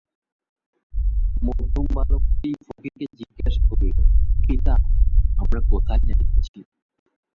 মধ্যম বালকটি ফকিরকে জিজ্ঞাসা করিল, পিতা, আমরা কোথায় যাইতেছি?